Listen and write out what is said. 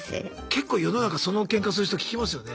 結構世の中そのけんかする人聞きますよね。